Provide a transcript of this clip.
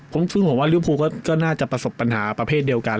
ซึ่งผมว่าริวภูก็น่าจะประสบปัญหาประเภทเดียวกัน